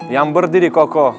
yang berdiri koko